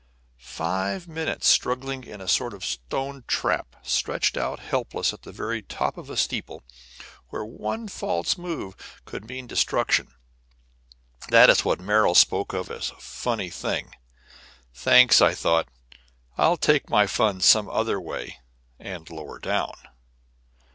Five minutes struggling in a sort of stone trap, stretched out helpless at the very top of a steeple where one false move would mean destruction that is what Merrill spoke of as a funny thing! Thanks, I thought, I will take my fun some other way, and lower down.